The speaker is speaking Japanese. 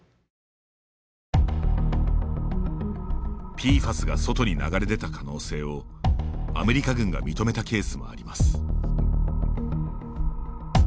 ＰＦＡＳが外に流れ出た可能性を、アメリカ軍が認めたケースもあります。